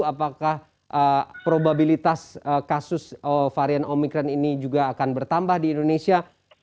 apakah probabilitas kasus varian omikron ini juga akan bertambah di indonesia